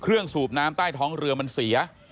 เครื่องสูบน้ำใต้ท้องเรือมันเสีย